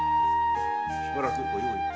しばらくご猶予を。